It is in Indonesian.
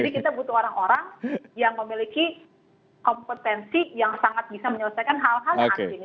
jadi kita butuh orang orang yang memiliki kompetensi yang sangat bisa menyelesaikan hal hal yang unfinished ini